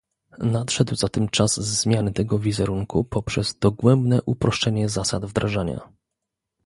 Nadszedł zatem czas zmiany tego wizerunku poprzez dogłębne uproszczenie zasad wdrażania